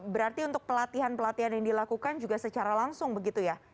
berarti untuk pelatihan pelatihan yang dilakukan juga secara langsung begitu ya